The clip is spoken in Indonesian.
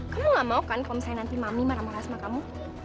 kamu gak mau kan kalau misalnya nanti mami marah marah sama kamu